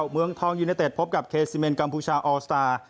เมืองทองยูเนเต็ดพบกับเคซิเมนกัมพูชาออสตาร์